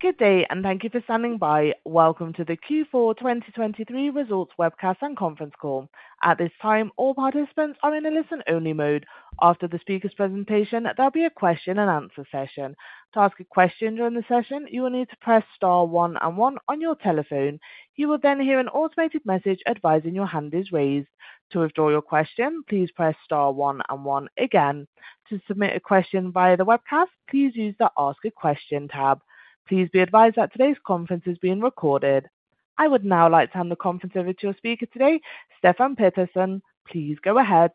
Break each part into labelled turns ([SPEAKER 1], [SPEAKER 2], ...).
[SPEAKER 1] Good day, and thank you for standing by. Welcome to the Q4 2023 results webcast and conference call. At this time, all participants are in a listen-only mode. After the speaker's presentation, there'll be a question-and-answer session. To ask a question during the session, you will need to press star one and one on your telephone. You will then hear an automated message advising your hand is raised. To withdraw your question, please press star one and one again. To submit a question via the webcast, please use the Ask a Question tab. Please be advised that today's conference is being recorded. I would now like to hand the conference over to your speaker today, Stefan Pettersson. Please go ahead.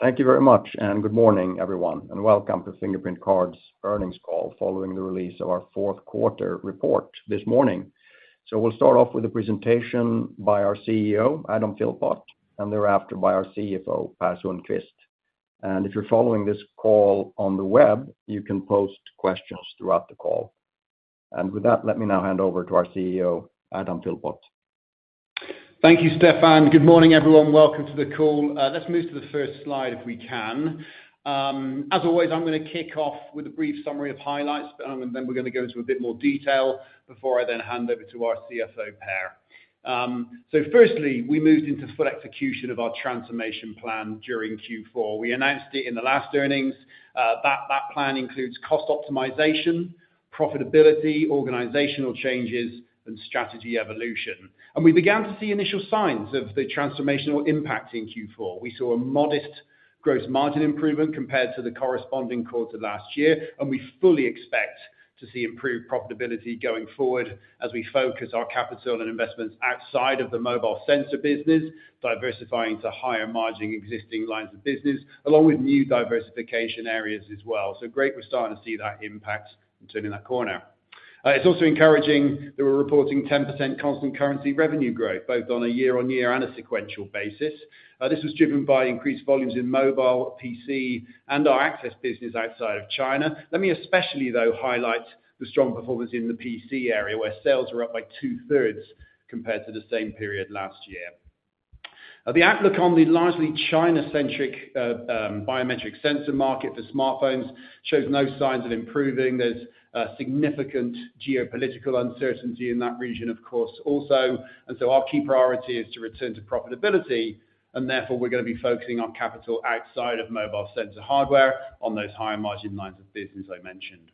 [SPEAKER 2] Thank you very much, and good morning, everyone, and welcome to Fingerprint Cards Earnings Call, following the release of our fourth quarter report this morning. We'll start off with a presentation by our CEO, Adam Philpott, and thereafter by our CFO, Per Sundqvist. If you're following this call on the web, you can post questions throughout the call. With that, let me now hand over to our CEO, Adam Philpott.
[SPEAKER 3] Thank you, Stefan. Good morning, everyone. Welcome to the call. Let's move to the first slide if we can. As always, I'm gonna kick off with a brief summary of highlights, and then we're gonna go into a bit more detail before I then hand over to our CFO, Per. So firstly, we moved into full execution of our transformation plan during Q4. We announced it in the last earnings. That plan includes cost optimization, profitability, organizational changes, and strategy evolution. We began to see initial signs of the transformational impact in Q4. We saw a modest gross margin improvement compared to the corresponding quarter last year, and we fully expect to see improved profitability going forward as we focus our capital and investments outside of the mobile sensor business, diversifying to higher margin existing lines of business, along with new diversification areas as well. So great, we're starting to see that impact and turning that corner. It's also encouraging that we're reporting 10% constant currency revenue growth, both on a year-on-year and a sequential basis. This was driven by increased volumes in mobile, PC, and our access business outside of China. Let me especially, though, highlight the strong performance in the PC area, where sales are up by two-thirds compared to the same period last year. The outlook on the largely China-centric biometric sensor market for smartphones shows no signs of improving. There's a significant geopolitical uncertainty in that region, of course, also. And so our key priority is to return to profitability, and therefore, we're gonna be focusing on capital outside of mobile sensor hardware on those higher margin lines of business I mentioned.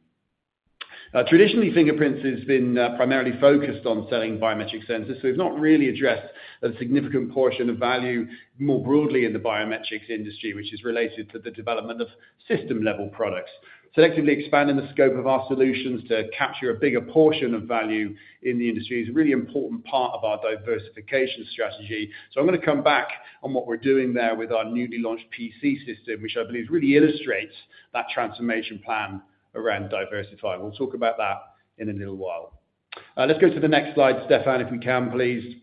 [SPEAKER 3] Traditionally, Fingerprint has been primarily focused on selling biometric sensors, so we've not really addressed a significant portion of value more broadly in the biometrics industry, which is related to the development of system-level products. Selectively expanding the scope of our solutions to capture a bigger portion of value in the industry is a really important part of our diversification strategy. So I'm gonna come back on what we're doing there with our newly launched PC system, which I believe really illustrates that transformation plan around diversifying. We'll talk about that in a little while. Let's go to the next slide, Stefan, if we can, please.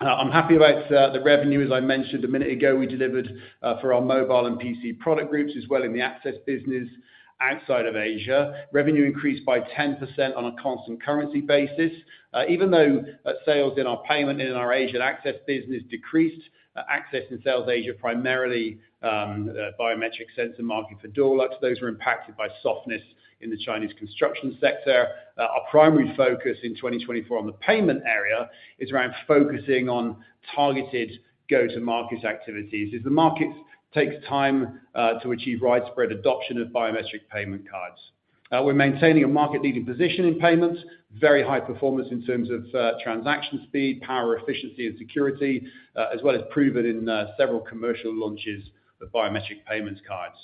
[SPEAKER 3] I'm happy about the revenue, as I mentioned a minute ago, we delivered for our mobile and PC product groups, as well in the access business outside of Asia. Revenue increased by 10% on a constant currency basis. Even though sales in our payment and our Asian access business decreased, access sales in Asia, primarily, the biometric sensor market for door locks, those were impacted by softness in the Chinese construction sector. Our primary focus in 2024 on the payment area is around focusing on targeted go-to-market activities, as the market takes time to achieve widespread adoption of biometric payment cards. We're maintaining a market-leading position in payments, very high performance in terms of transaction speed, power, efficiency, and security, as well as proven in several commercial launches of biometric payment cards.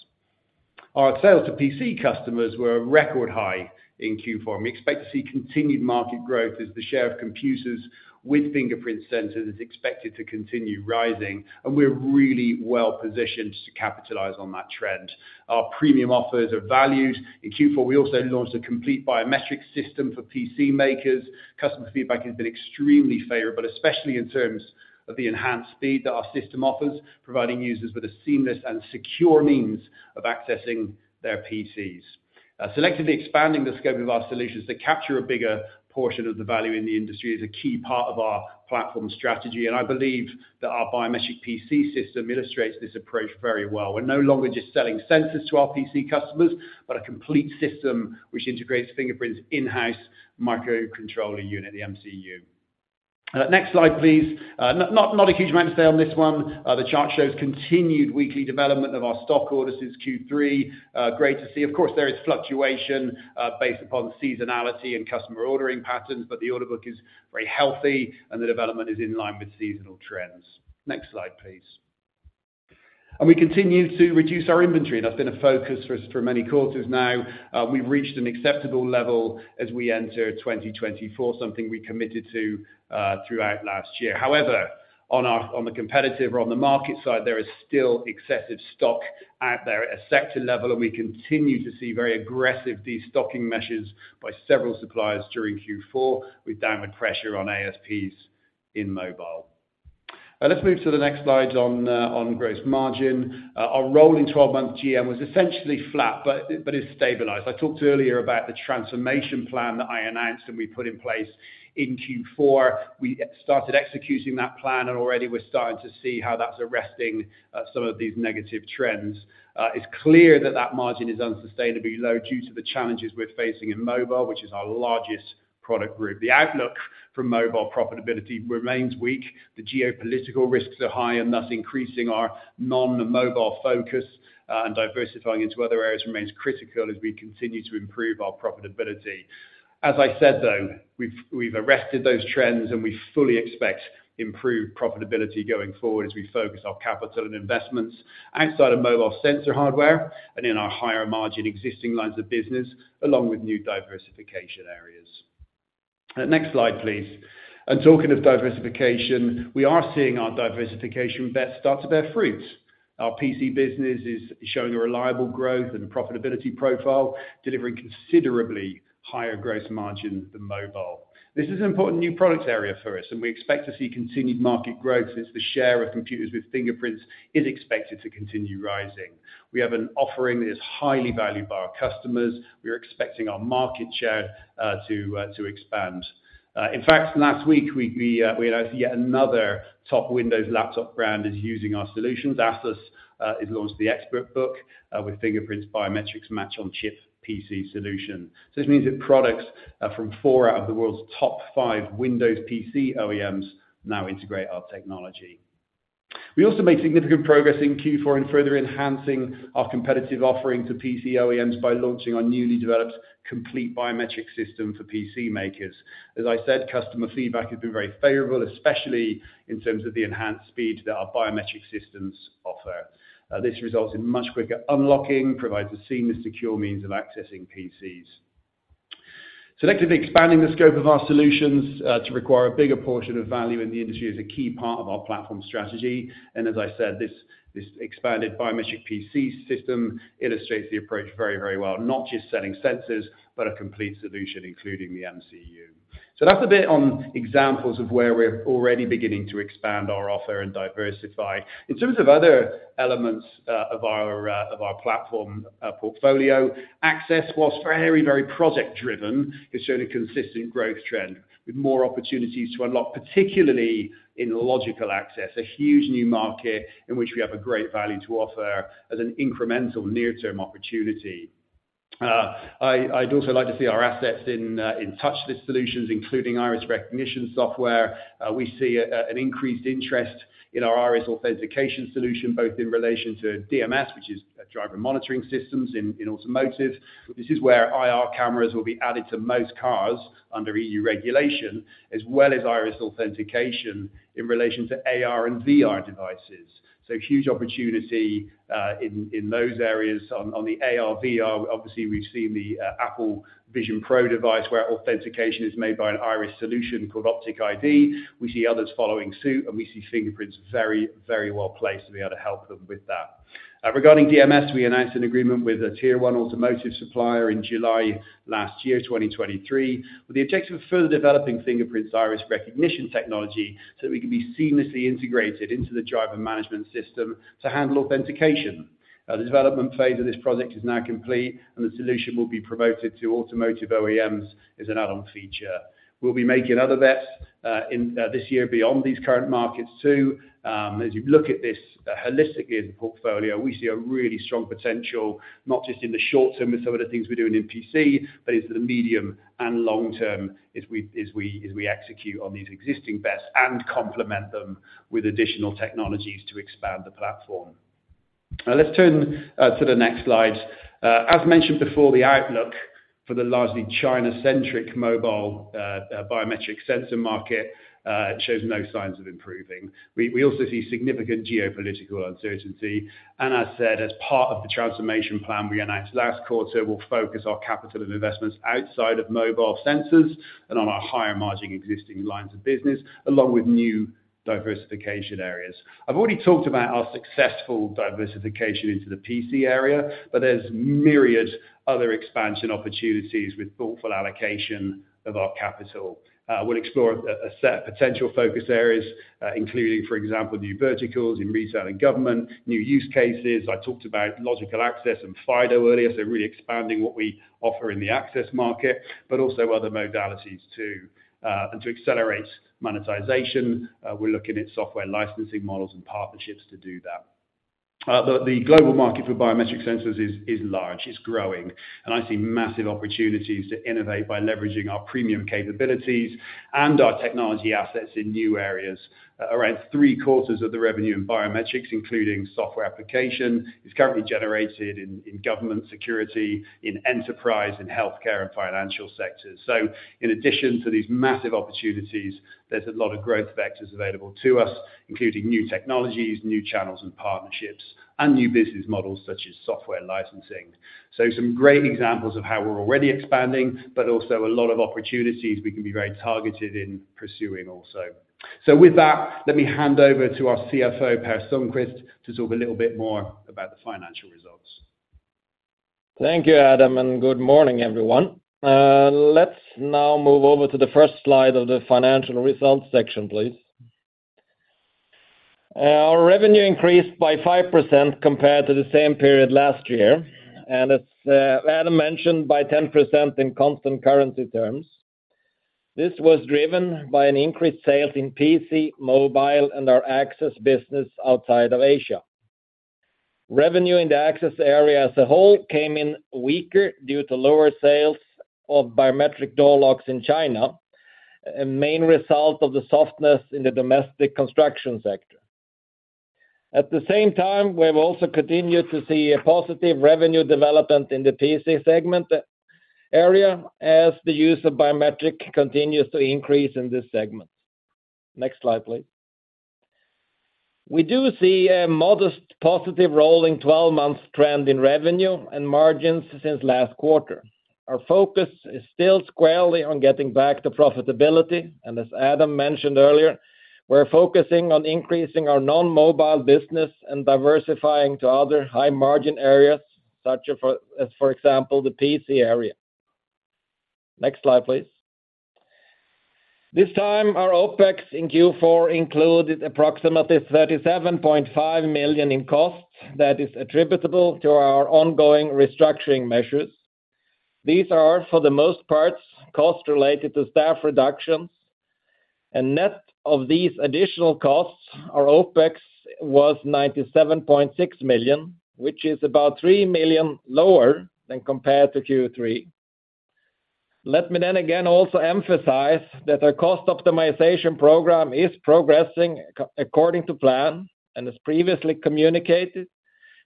[SPEAKER 3] Our sales to PC customers were a record high in Q4. We expect to see continued market growth as the share of computers with fingerprint sensors is expected to continue rising, and we're really well positioned to capitalize on that trend. Our premium offers are valued. In Q4, we also launched a complete biometric system for PC makers. Customer feedback has been extremely favorable, especially in terms of the enhanced speed that our system offers, providing users with a seamless and secure means of accessing their PCs. Selectively expanding the scope of our solutions to capture a bigger portion of the value in the industry is a key part of our platform strategy, and I believe that our biometric PC system illustrates this approach very well. We're no longer just selling sensors to our PC customers, but a complete system which integrates Fingerprint's in-house microcontroller unit, the MCU. Next slide, please. Not a huge amount to say on this one. The chart shows continued weekly development of our stock orders since Q3. Great to see. Of course, there is fluctuation, based upon seasonality and customer ordering patterns, but the order book is very healthy, and the development is in line with seasonal trends. Next slide, please. We continue to reduce our inventory. That's been a focus for us for many quarters now. We've reached an acceptable level as we enter 2024, something we committed to throughout last year. However, on the competitive or on the market side, there is still excessive stock out there at a sector level, and we continue to see very aggressive destocking measures by several suppliers during Q4, with downward pressure on ASPs in mobile. Let's move to the next slide on gross margin. Our rolling 12-month GM was essentially flat, but it's stabilized. I talked earlier about the transformation plan that I announced, and we put in place in Q4. We started executing that plan, and already we're starting to see how that's arresting some of these negative trends. It's clear that that margin is unsustainably low due to the challenges we're facing in mobile, which is our largest product group. The outlook for mobile profitability remains weak. The geopolitical risks are high and thus increasing our non-mobile focus, and diversifying into other areas remains critical as we continue to improve our profitability. As I said, though, we've arrested those trends, and we fully expect improved profitability going forward as we focus our capital and investments outside of mobile sensor hardware and in our higher margin existing lines of business, along with new diversification areas. Next slide, please. Talking of diversification, we are seeing our diversification bet start to bear fruit. Our PC business is showing a reliable growth and profitability profile, delivering considerably higher gross margin than mobile. This is an important new product area for us, and we expect to see continued market growth as the share of computers with fingerprints is expected to continue rising. We have an offering that is highly valued by our customers. We are expecting our market share to expand. In fact, last week, we had yet another top Windows laptop brand using our solutions. ASUS, it launched the ExpertBook with fingerprint biometrics Match-on-Chip PC solution. So this means that products from four out of the world's top five Windows PC OEMs now integrate our technology. We also made significant progress in Q4 in further enhancing our competitive offering to PC OEMs by launching our newly developed complete biometric system for PC makers. As I said, customer feedback has been very favorable, especially in terms of the enhanced speed that our biometric systems offer. This results in much quicker unlocking, provides a seamless, secure means of accessing PCs. Selectively expanding the scope of our solutions to require a bigger portion of value in the industry is a key part of our platform strategy. And as I said, this expanded biometric PC system illustrates the approach very, very well, not just selling sensors, but a complete solution, including the MCU. So that's a bit on examples of where we're already beginning to expand our offer and diversify. In terms of other elements of our platform portfolio, access, while very, very project driven, has shown a consistent growth trend with more opportunities to unlock, particularly in logical access, a huge new market in which we have a great value to offer as an incremental near-term opportunity. I'd also like to see our assets in touchless solutions, including iris recognition software. We see an increased interest in our iris authentication solution, both in relation to DMS, which is a driver monitoring systems in automotive. This is where IR cameras will be added to most cars under EU regulation, as well as iris authentication in relation to AR and VR devices. So huge opportunity in those areas on the AR, VR. Obviously, we've seen the Apple Vision Pro device, where authentication is made by an iris solution called Optic ID. We see others following suit, and we see Fingerprints very, very well placed to be able to help them with that. Regarding DMS, we announced an agreement with a tier one automotive supplier in July last year, 2023, with the objective of further developing Fingerprint's iris recognition technology so that we can be seamlessly integrated into the driver monitoring system to handle authentication. The development phase of this project is now complete, and the solution will be promoted to automotive OEMs as an add-on feature. We'll be making other bets in this year beyond these current markets, too. As you look at this holistically in the portfolio, we see a really strong potential, not just in the short term with some of the things we're doing in PC, but into the medium and long term as we execute on these existing bets and complement them with additional technologies to expand the platform. Let's turn to the next slide. As mentioned before, the outlook for the largely China-centric mobile biometric sensor market shows no signs of improving. We also see significant geopolitical uncertainty, and as said, as part of the transformation plan we announced last quarter, we'll focus our capital and investments outside of mobile sensors and on our higher margin existing lines of business, along with new diversification areas. I've already talked about our successful diversification into the PC area, but there's myriad other expansion opportunities with thoughtful allocation of our capital. We'll explore a set potential focus areas, including, for example, new verticals in retail and government, new use cases. I talked about logical access and FIDO earlier, so really expanding what we offer in the access market, but also other modalities too. And to accelerate monetization, we're looking at software licensing models and partnerships to do that. The global market for biometric sensors is large, it's growing, and I see massive opportunities to innovate by leveraging our premium capabilities and our technology assets in new areas. Around three quarters of the revenue in biometrics, including software application, is currently generated in government security, in enterprise, in healthcare, and financial sectors. So in addition to these massive opportunities, there's a lot of growth vectors available to us, including new technologies, new channels and partnerships, and new business models, such as software licensing. So some great examples of how we're already expanding, but also a lot of opportunities we can be very targeted in pursuing also. So with that, let me hand over to our CFO, Per Sundqvist, to talk a little bit more about the financial results.
[SPEAKER 4] Thank you, Adam, and good morning, everyone. Let's now move over to the first slide of the financial results section, please. Our revenue increased by 5% compared to the same period last year, and as Adam mentioned, by 10% in constant currency terms. This was driven by an increased sales in PC, mobile, and our access business outside of Asia. Revenue in the access area as a whole came in weaker due to lower sales of biometric door locks in China, a main result of the softness in the domestic construction sector. At the same time, we have also continued to see a positive revenue development in the PC segment area as the use of biometric continues to increase in this segment. Next slide, please. We do see a modest positive rolling 12 months trend in revenue and margins since last quarter. Our focus is still squarely on getting back to profitability, and as Adam mentioned earlier, we're focusing on increasing our non-mobile business and diversifying to other high-margin areas, such as, for, as for example, the PC area. Next slide, please. This time, our OpEx in Q4 included approximately 37.5 million in costs that is attributable to our ongoing restructuring measures. These are, for the most parts, costs related to staff reductions, and net of these additional costs, our OpEx was 97.6 million, which is about 3 million lower than compared to Q3. Let me then again also emphasize that our cost optimization program is progressing according to plan, and as previously communicated,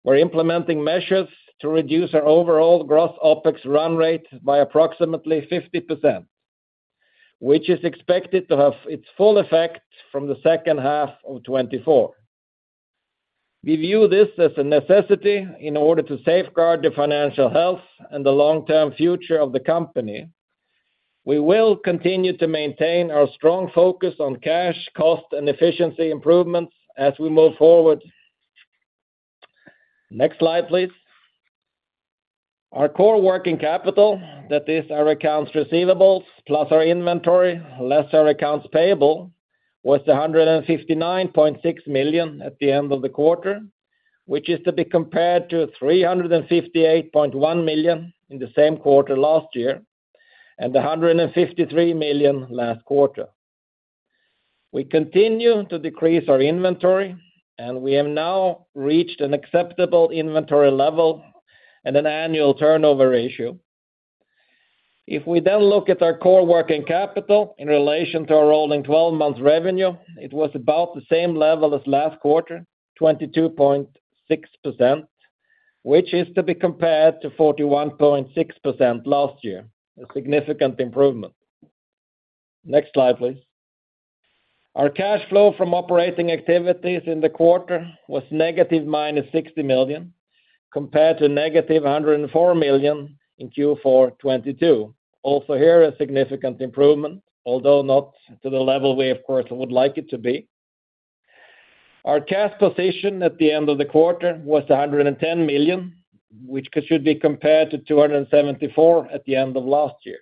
[SPEAKER 4] we're implementing measures to reduce our overall gross OpEx run rate by approximately 50%, which is expected to have its full effect from the second half of 2024. We view this as a necessity in order to safeguard the financial health and the long-term future of the company. We will continue to maintain our strong focus on cash, cost, and efficiency improvements as we move forward. Next slide, please. Our core working capital, that is our accounts receivables plus our inventory, less our accounts payable, was 159.6 million at the end of the quarter, which is to be compared to 358.1 million in the same quarter last year, and 153 million last quarter. We continue to decrease our inventory, and we have now reached an acceptable inventory level and an annual turnover ratio. If we then look at our core working capital in relation to our rolling twelve-month revenue, it was about the same level as last quarter, 22.6%, which is to be compared to 41.6% last year, a significant improvement. Next slide, please. Our cash flow from operating activities in the quarter was negative 60 million, compared to negative 104 million in Q4 2022. Also, here, a significant improvement, although not to the level we, of course, would like it to be. Our cash position at the end of the quarter was 110 million, which should be compared to 274 million at the end of last year.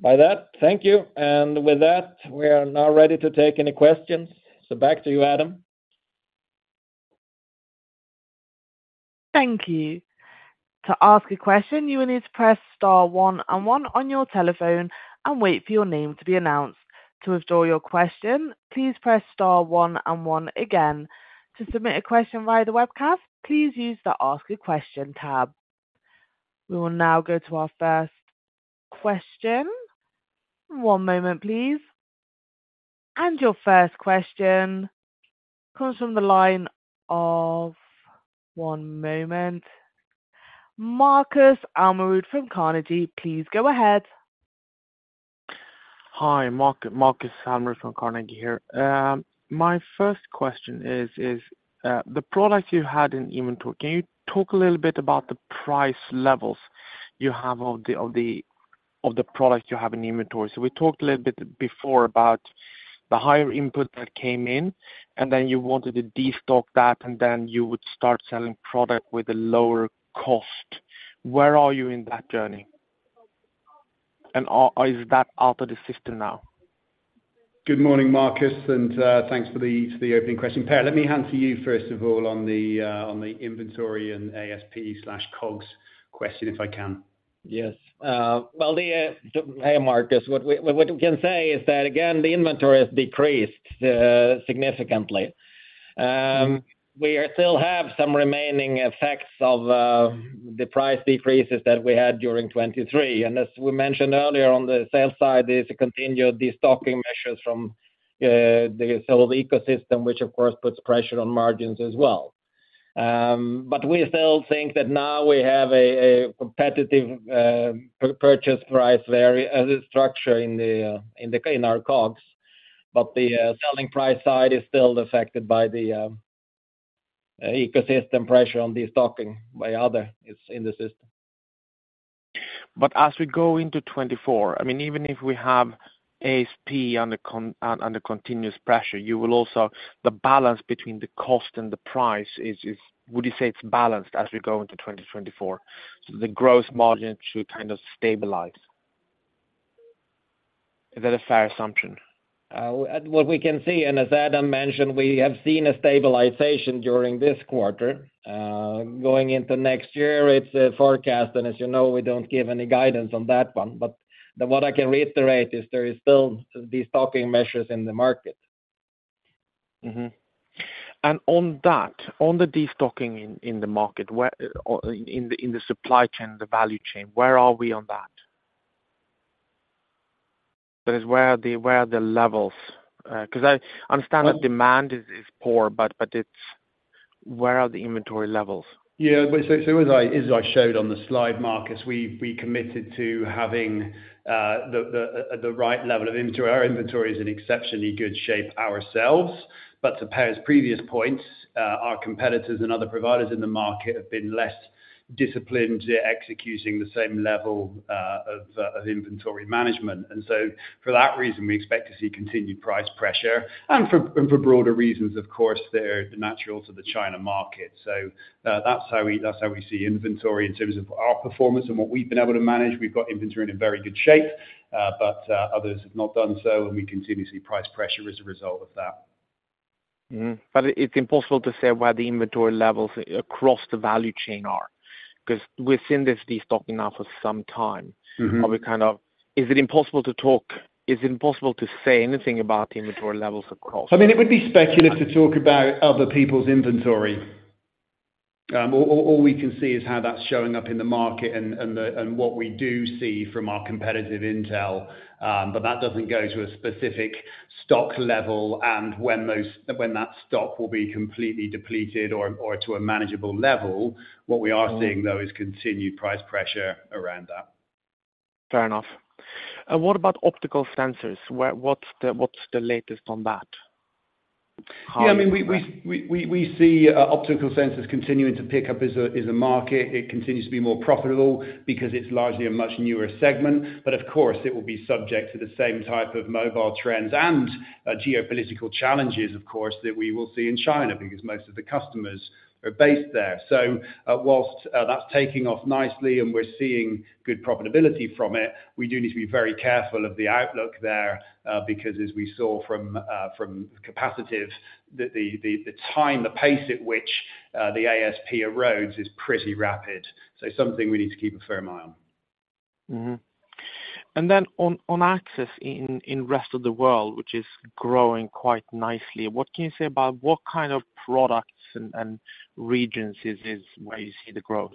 [SPEAKER 4] By that, thank you. And with that, we are now ready to take any questions. So back to you, Adam.
[SPEAKER 1] Thank you. To ask a question, you will need to press star one and one on your telephone and wait for your name to be announced. To withdraw your question, please press star one and one again. To submit a question via the webcast, please use the Ask a Question tab. We will now go to our first question. One moment, please. And your first question comes from the line of... One moment. Markus Almerud from Carnegie. Please go ahead.
[SPEAKER 5] Hi, Markus Almerud from Carnegie here. My first question is, the products you had in inventory, can you talk a little bit about the price levels you have of the products you have in inventory? So we talked a little bit before about the higher input that came in, and then you wanted to destock that, and then you would start selling product with a lower cost. Where are you in that journey? And are, or is that out of the system now?
[SPEAKER 3] Good morning, Markus, and thanks for the opening question. Per, let me hand to you, first of all, on the inventory and ASP/COGS question, if I can.
[SPEAKER 4] Yes. Well, hey, Markus. What we can say is that, again, the inventory has decreased significantly. We still have some remaining effects of the price decreases that we had during 2023. As we mentioned earlier, on the sales side, there's a continued destocking measures from the OEM ecosystem, which, of course, puts pressure on margins as well. But we still think that now we have a competitive purchase price variance structure in our COGS, but the selling price side is still affected by the ecosystem pressure on destocking by others in the system.
[SPEAKER 5] But as we go into 2024, I mean, even if we have ASP under continuous pressure, you will also the balance between the cost and the price is, would you say it's balanced as we go into 2024? So the gross margin should kind of stabilize. Is that a fair assumption?
[SPEAKER 4] What we can see, and as Adam mentioned, we have seen a stabilization during this quarter. Going into next year, it's a forecast, and as you know, we don't give any guidance on that one. But what I can reiterate is there is still destocking measures in the market.
[SPEAKER 5] Mm-hmm. And on that, on the destocking in the market, where or in the supply chain, the value chain, where are we on that? But it's where are the levels? Because I understand that demand is poor, but it's— Where are the inventory levels?
[SPEAKER 3] Yeah, but so as I showed on the slide, Markus, we committed to having the right level of inventory. Our inventory is in exceptionally good shape ourselves, but to Per's previous points, our competitors and other providers in the market have been less disciplined to executing the same level of inventory management. And so for that reason, we expect to see continued price pressure, and for broader reasons, of course, they're natural to the China market. So that's how we see inventory in terms of our performance and what we've been able to manage. We've got inventory in a very good shape, but others have not done so, and we continue to see price pressure as a result of that.
[SPEAKER 5] Mm-hmm. But it, it's impossible to say where the inventory levels across the value chain are, 'cause we've seen this destocking now for some time.
[SPEAKER 3] Mm-hmm.
[SPEAKER 5] Are we kind of... Is it impossible to say anything about the inventory levels across?
[SPEAKER 3] I mean, it would be speculative to talk about other people's inventory. All we can see is how that's showing up in the market and what we do see from our competitive intel, but that doesn't go to a specific stock level and when that stock will be completely depleted or to a manageable level. What we are seeing, though, is continued price pressure around that.
[SPEAKER 5] Fair enough. What about optical sensors? What's the latest on that?
[SPEAKER 3] Yeah, I mean, we see optical sensors continuing to pick up as a market. It continues to be more profitable because it's largely a much newer segment, but of course, it will be subject to the same type of mobile trends and geopolitical challenges, of course, that we will see in China, because most of the customers are based there. So, while that's taking off nicely and we're seeing good profitability from it, we do need to be very careful of the outlook there, because as we saw from capacitive, that the time, the pace at which the ASP erodes is pretty rapid. So something we need to keep a firm eye on.
[SPEAKER 5] Mm-hmm. And then on access in rest of the world, which is growing quite nicely, what can you say about what kind of products and regions is where you see the growth?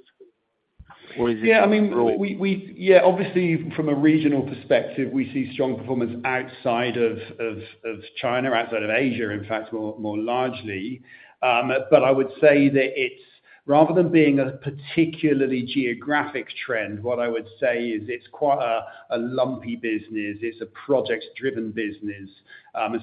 [SPEAKER 5] Or is it-
[SPEAKER 3] Yeah, I mean, we-- yeah, obviously from a regional perspective, we see strong performance outside of China, outside of Asia, in fact, more largely. But I would say that it's rather than being a particularly geographic trend, what I would say is it's quite a lumpy business. It's a project-driven business,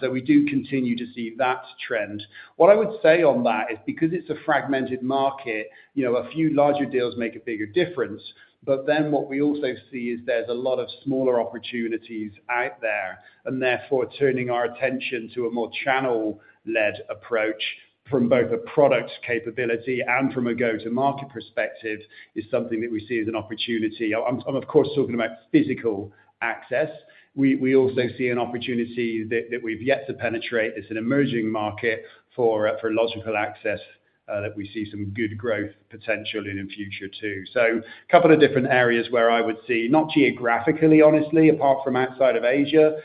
[SPEAKER 3] so we do continue to see that trend. What I would say on that is because it's a fragmented market, you know, a few larger deals make a bigger difference. But then what we also see is there's a lot of smaller opportunities out there, and therefore, turning our attention to a more channel-led approach from both a product capability and from a go-to-market perspective is something that we see as an opportunity. I'm, of course, talking about physical access. We also see an opportunity that we've yet to penetrate. It's an emerging market for logical access that we see some good growth potentially in the future, too. So a couple of different areas where I would see, not geographically, honestly, apart from outside of Asia,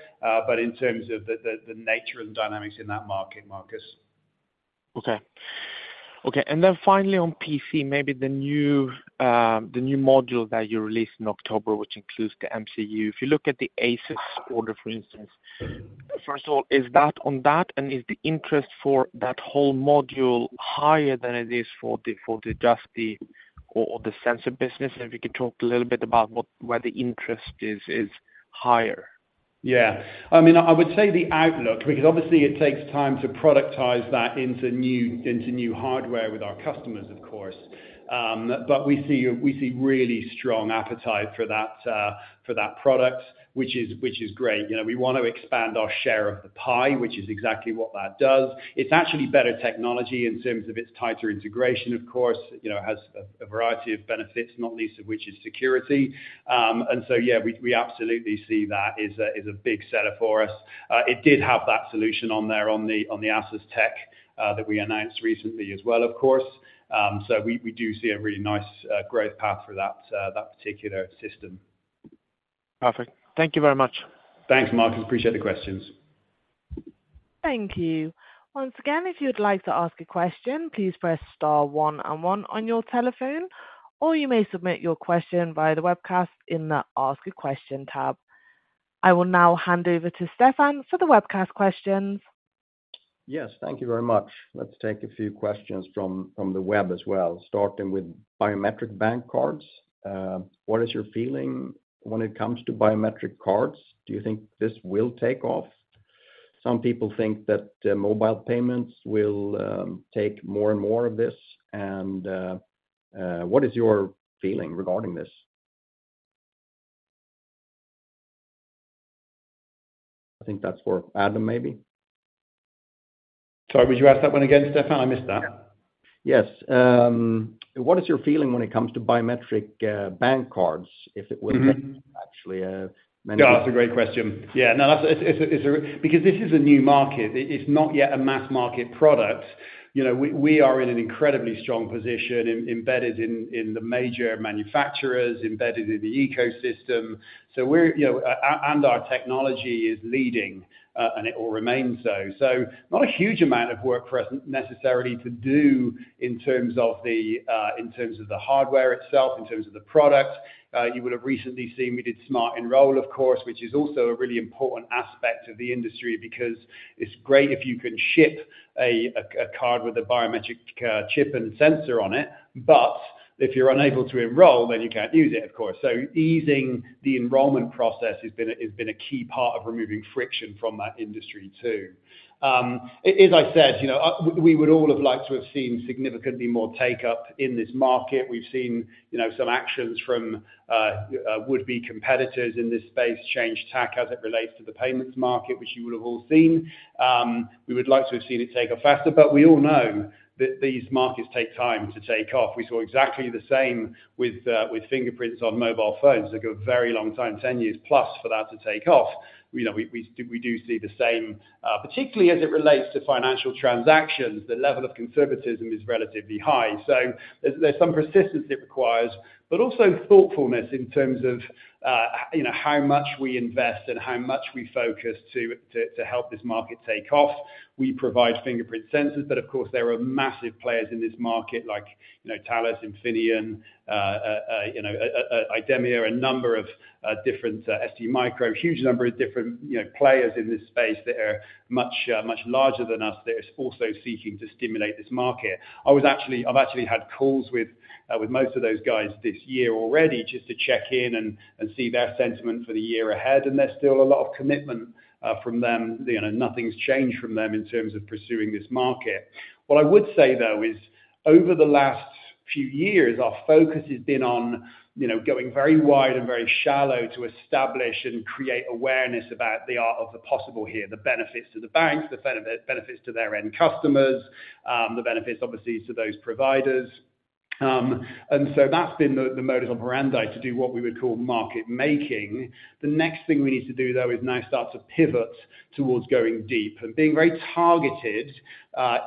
[SPEAKER 3] but in terms of the nature and dynamics in that market, Markus.
[SPEAKER 5] Okay. Okay, and then finally on PC, maybe the new module that you released in October, which includes the MCU. If you look at the ASUS order, for instance, first of all, is that on that, and is the interest for that whole module higher than it is for the just the sensor business? And if you could talk a little bit about where the interest is higher.
[SPEAKER 3] Yeah. I mean, I would say the outlook, because obviously it takes time to productize that into new hardware with our customers, of course. But we see really strong appetite for that product, which is great. You know, we want to expand our share of the pie, which is exactly what that does. It's actually better technology in terms of its tighter integration, of course. It has a variety of benefits, not least of which is security. And so, yeah, we absolutely see that as a big seller for us. It did have that solution on the ASUS tech that we announced recently as well, of course. So we do see a really nice growth path for that particular system.
[SPEAKER 5] Perfect. Thank you very much.
[SPEAKER 3] Thanks, Markus. Appreciate the questions.
[SPEAKER 1] Thank you. Once again, if you'd like to ask a question, please press star one and one on your telephone, or you may submit your question via the webcast in the Ask a Question tab. I will now hand over to Stefan for the webcast questions.
[SPEAKER 2] Yes, thank you very much. Let's take a few questions from the web as well, starting with biometric bank cards. What is your feeling when it comes to biometric cards? Do you think this will take off? Some people think that mobile payments will take more and more of this. And what is your feeling regarding this? I think that's for Adam, maybe.
[SPEAKER 3] Sorry, would you ask that one again, Stefan? I missed that.
[SPEAKER 2] Yes, what is your feeling when it comes to biometric bank cards, if it will-
[SPEAKER 3] Mm-hmm...
[SPEAKER 2] actually, many-
[SPEAKER 3] No, that's a great question. Yeah, no, because this is a new market. It's not yet a mass-market product. You know, we are in an incredibly strong position, embedded in the major manufacturers, embedded in the ecosystem. So we're, you know, and our technology is leading, and it will remain so. So not a huge amount of work for us necessarily to do in terms of the hardware itself, in terms of the product. You would have recently seen we did Smart 'Nroll, of course, which is also a really important aspect of the industry because it's great if you can ship a card with a biometric chip and sensor on it, but if you're unable to enroll, then you can't use it, of course. So easing the enrollment process has been a key part of removing friction from that industry, too. As I said, you know, we would all have liked to have seen significantly more take up in this market. We've seen, you know, some actions from would-be competitors in this space change tack as it relates to the payments market, which you would have all seen. We would like to have seen it take up faster, but we all know that these markets take time to take off. We saw exactly the same with fingerprints on mobile phones. It took a very long time, 10 years plus, for that to take off. You know, we see the same, particularly as it relates to financial transactions, the level of conservatism is relatively high. So there's some persistence it requires, but also thoughtfulness in terms of, you know, how much we invest and how much we focus to help this market take off. We provide fingerprint sensors, but of course, there are massive players in this market like, you know, Thales, Infineon, you know, Idemia, a number of different STMicro, a huge number of different, you know, players in this space that are much larger than us, that is also seeking to stimulate this market. I've actually had calls with most of those guys this year already, just to check in and see their sentiment for the year ahead, and there's still a lot of commitment from them. You know, nothing's changed from them in terms of pursuing this market. What I would say, though, is over the last few years, our focus has been on, you know, going very wide and very shallow to establish and create awareness about the art of the possible here, the benefits to the banks, the benefits to their end customers, the benefits, obviously, to those providers. And so that's been the modus operandi, to do what we would call market making. The next thing we need to do, though, is now start to pivot towards going deep and being very targeted,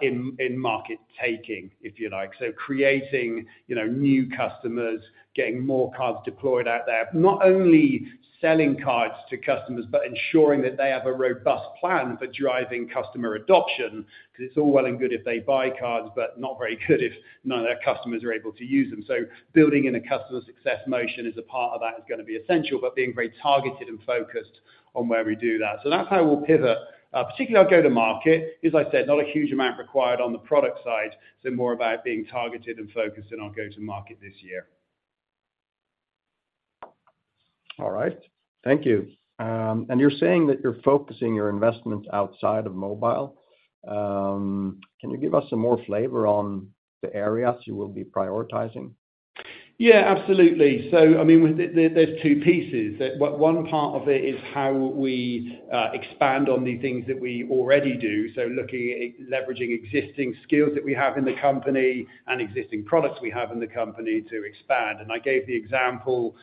[SPEAKER 3] in market taking, if you like. So creating, you know, new customers, getting more cards deployed out there. Not only selling cards to customers, but ensuring that they have a robust plan for driving customer adoption, because it's all well and good if they buy cards, but not very good if none of their customers are able to use them. So building in a customer success motion is a part of that, is gonna be essential, but being very targeted and focused on where we do that. So that's how we'll pivot, particularly our go-to market. As I said, not a huge amount required on the product side, so more about being targeted and focused on our go-to market this year.
[SPEAKER 2] All right. Thank you. You're saying that you're focusing your investments outside of mobile. Can you give us some more flavor on the areas you will be prioritizing?
[SPEAKER 3] Yeah, absolutely. So, I mean, with it, there, there's two pieces. What one part of it is how we expand on the things that we already do, so looking at leveraging existing skills that we have in the company and existing products we have in the company to expand. And I gave the example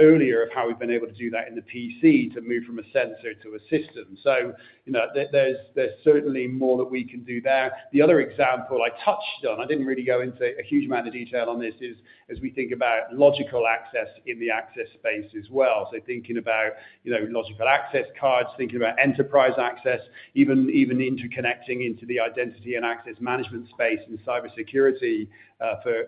[SPEAKER 3] earlier of how we've been able to do that in the PC, to move from a sensor to a system. So, you know, there, there's certainly more that we can do there. The other example I touched on, I didn't really go into a huge amount of detail on this, is as we think about logical access in the access space as well. So thinking about, you know, logical access cards, thinking about enterprise access, even interconnecting into the identity and access management space and cybersecurity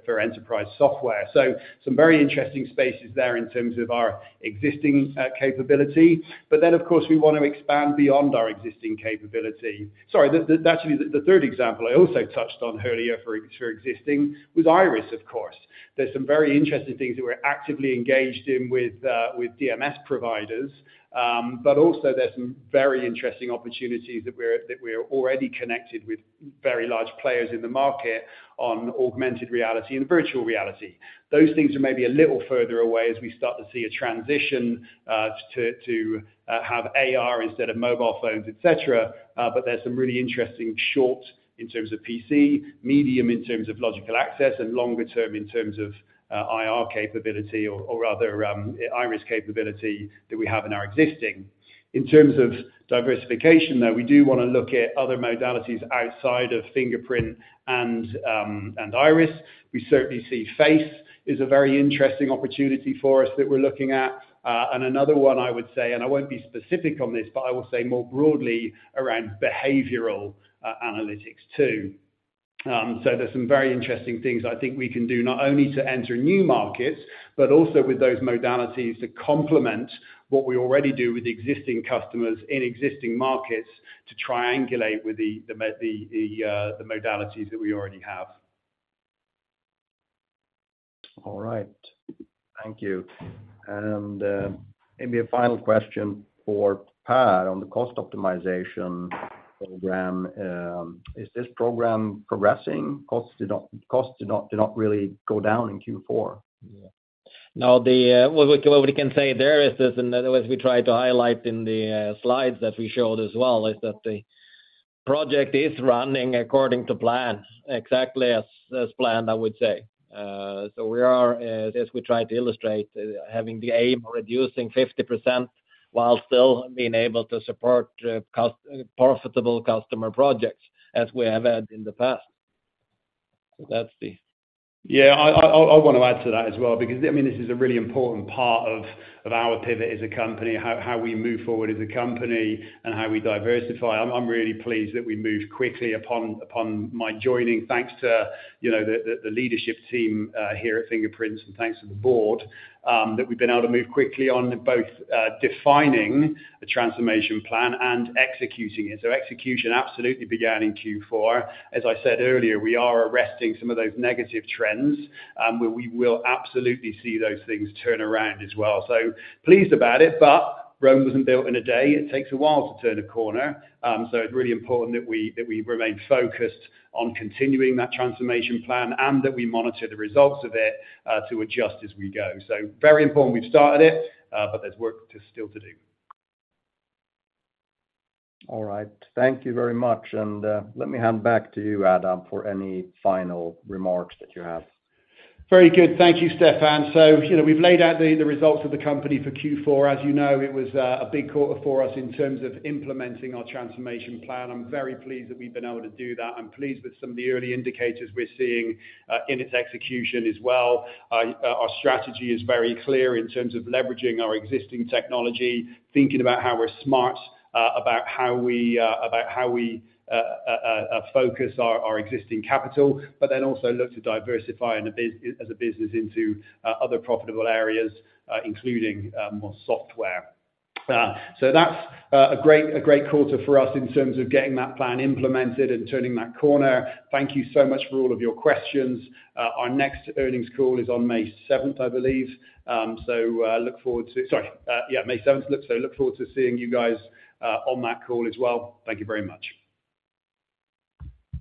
[SPEAKER 3] for enterprise software. So some very interesting spaces there in terms of our existing capability. But then, of course, we want to expand beyond our existing capability. Actually, the third example I also touched on earlier for existing was iris, of course. There's some very interesting things that we're actively engaged in with DMS providers, but also there's some very interesting opportunities that we're already connected with very large players in the market on augmented reality and virtual reality. Those things are maybe a little further away as we start to see a transition to have AR instead of mobile phones, et cetera. But there's some really interesting short, in terms of PC, medium, in terms of logical access, and longer term, in terms of IR capability or, or rather, Iris capability that we have in our existing. In terms of diversification, though, we do want to look at other modalities outside of fingerprint and and Iris. We certainly see face is a very interesting opportunity for us that we're looking at. Another one I would say, and I won't be specific on this, but I will say more broadly around behavioral analytics, too. So there's some very interesting things I think we can do, not only to enter new markets, but also with those modalities to complement what we already do with the existing customers in existing markets to triangulate with the modalities that we already have.
[SPEAKER 2] All right. Thank you. And, maybe a final question for Per on the cost optimization program. Is this program progressing? Costs did not really go down in Q4.
[SPEAKER 4] Now, what we can say there is this, and as we tried to highlight in the slides that we showed as well, is that the project is running according to plan, exactly as planned, I would say. So we are, as we tried to illustrate, having the aim of reducing 50% while still being able to support profitable customer projects as we have had in the past. So that's the-
[SPEAKER 3] Yeah, I want to add to that as well, because, I mean, this is a really important part of our pivot as a company, how we move forward as a company and how we diversify. I'm really pleased that we moved quickly upon my joining, thanks to, you know, the leadership team here at Fingerprint and thanks to the board, that we've been able to move quickly on both defining the transformation plan and executing it. So execution absolutely began in Q4. As I said earlier, we are arresting some of those negative trends, where we will absolutely see those things turn around as well. So pleased about it, but Rome wasn't built in a day. It takes a while to turn a corner. So it's really important that we remain focused on continuing that transformation plan and that we monitor the results of it, to adjust as we go. So very important we've started it, but there's still work to do.
[SPEAKER 2] All right. Thank you very much. Let me hand back to you, Adam, for any final remarks that you have.
[SPEAKER 3] Very good. Thank you, Stefan. So, you know, we've laid out the results of the company for Q4. As you know, it was a big quarter for us in terms of implementing our transformation plan. I'm very pleased that we've been able to do that. I'm pleased with some of the early indicators we're seeing in its execution as well. Our strategy is very clear in terms of leveraging our existing technology, thinking about how we're smart about how we focus our existing capital, but then also look to diversify in a bus- as a business into other profitable areas, including more software. So that's a great quarter for us in terms of getting that plan implemented and turning that corner. Thank you so much for all of your questions. Our next earnings call is on May seventh, I believe. So, look forward to... Sorry, yeah, May seventh. Look, so look forward to seeing you guys on that call as well. Thank you very much.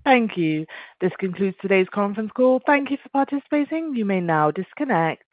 [SPEAKER 1] Thank you. This concludes today's conference call. Thank you for participating. You may now disconnect.